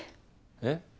えっ？